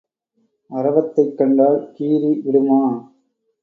அரவத்தைக் கண்டால் கீரி விடுமா?